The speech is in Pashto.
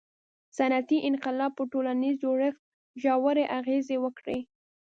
• صنعتي انقلاب پر ټولنیز جوړښت ژورې اغیزې وکړې.